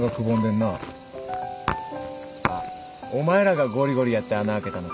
あっお前らがゴリゴリやって穴あけたのか？